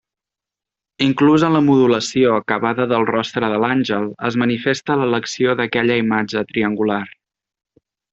Inclús en la modulació acabada del rostre de l'àngel es manifesta l'elecció d'aquella imatge triangular.